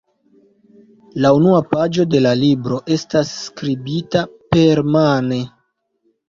La unua paĝo de la libro estas skribita permane.